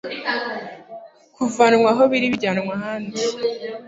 kuvanwa aho biri bijyanwa ahandi